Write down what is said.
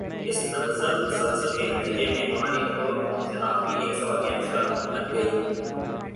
اس تنزل مسلسل کے نتیجے میں ہماری بطور قوم شناخت بھی ایک سوالیہ نشان بن گئی